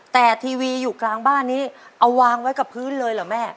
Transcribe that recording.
แต่ทีวีอยู่กลางบ้านนี้เอาวางไว้กับพื้นเลยเหรอแม่